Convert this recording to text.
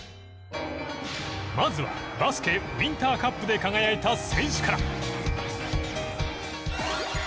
まずはバスケウインターカップで輝いた選手から。